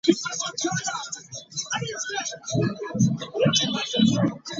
They can flower on the raceme at the same time or successively.